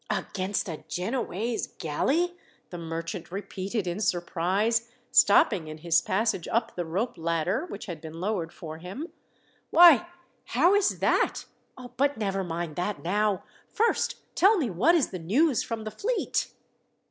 "Against a Genoese galley!" the merchant repeated in surprise, stopping in his passage up the rope ladder, which had been lowered for him. "Why, how is that? But never mind that now. First tell me what is the news from the fleet?"